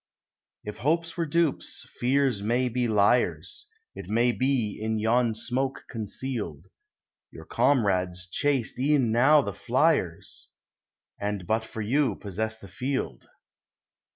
If hopes were dupes, fears may be liars; It may be, in yon smoke conceal'd, Your comrades chase e'en now the fliers, And, but for you, possess the field.